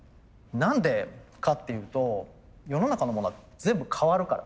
何でかっていうと世の中のものは全部変わるから。